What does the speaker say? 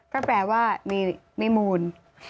ก็แปลว่ามีมูล